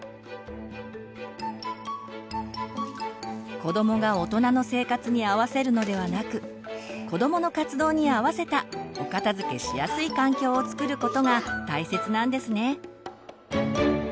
子どもが大人の生活に合わせるのではなく子どもの活動に合わせたお片づけしやすい環境をつくることが大切なんですね。